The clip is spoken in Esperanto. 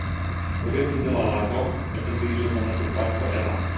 Oriente de la lago etendiĝas la naturparko Ela.